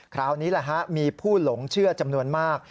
คราวนี้แหละฮะมีผู้หลงเชื่อจำนวนมาก